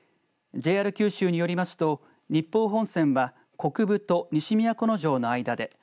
ＪＲ九州によりますと日豊本線は国分と西都城の間で。